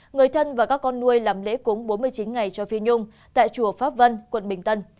người thân và các con nuôi làm lễ cúng bốn mươi chín ngày cho phi nhung tại chùa pháp vân quận bình tân